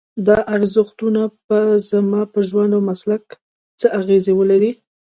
دا ارزښتونه به زما په ژوند او مسلک څه اغېز ولري؟